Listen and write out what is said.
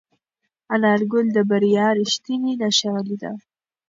انارګل د بریا رښتینې نښه ولیده.